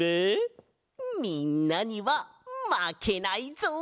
みんなにはまけないぞ！